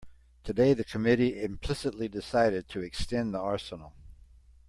Today the committee implicitly decided to extend the arsenal.